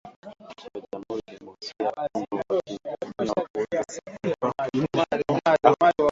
nchini Jamhuri ya Kidemokrasi ya Kongo wakituhumiwa kuuza silaha kwa kundi la wanamgambo